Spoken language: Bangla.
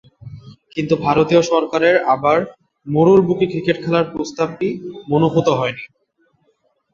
কিন্তু ভারতীয় সরকারের আবার মরুর বুকে ক্রিকেট খেলার প্রস্তাবটি মনঃপূত হয়নি।